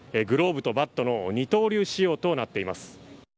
グローブとバットの二刀流仕様となっています。